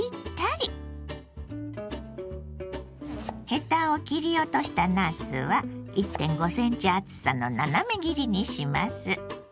ヘタを切り落としたなすは１．５ｃｍ厚さの斜め切りにします。